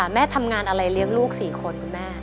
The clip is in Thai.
แม่คะแม่ทำงานอะไรเลี้ยงลูก๔คน